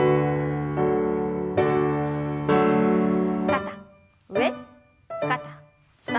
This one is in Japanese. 肩上肩下。